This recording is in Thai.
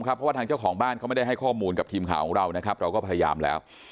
เพราะว่าทางเจ้าของบ้านเขาไม่ได้ให้ข้อมูลกับทีมข่าวของเรานะครับเราก็พยายามแล้ว